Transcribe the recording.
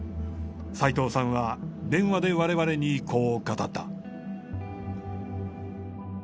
斉藤さんは電話で我々にこう語った。